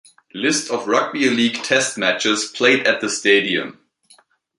List of rugby league test matches played at the stadium.